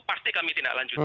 pasti kami tidak lanjuti